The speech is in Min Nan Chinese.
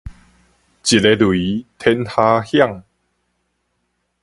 一下雷，天下響